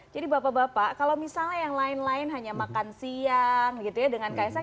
bapak bapak kalau misalnya yang lain lain hanya makan siang gitu ya dengan kaisang